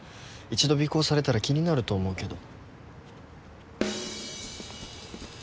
一度尾行されたら気になると思うけど。